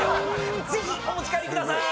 ぜひお持ち帰りくださーい！